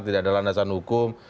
tidak ada landasan hukum